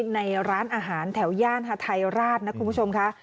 ในร้านอาหารแถวย่านฮาไทยราชนะคุณผู้ชมค่ะ